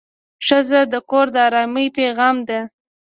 ښځه د کور د ارامۍ پېغام ده.